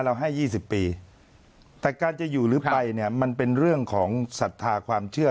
เราให้๒๐ปีแต่การจะอยู่หรือไปเนี่ยมันเป็นเรื่องของศรัทธาความเชื่อ